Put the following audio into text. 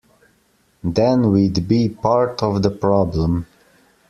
Then we’d be part of the problem.